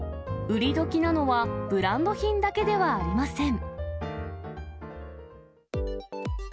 売り時なのは、ブランド品だけではありません。